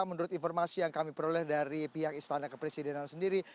menurut informasi yang kami peroleh dari pihak istana kepresidenan sendiri